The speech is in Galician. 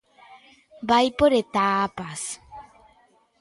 Vai por etapas.